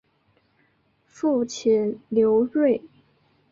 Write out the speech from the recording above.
父亲刘锐。